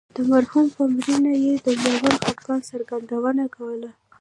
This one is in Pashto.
د مرحوم په مړینه یې د ژور خفګان څرګندونه کوله.